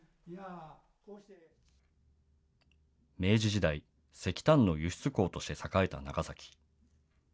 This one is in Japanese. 明治時代、石炭の輸出港として栄えた長崎。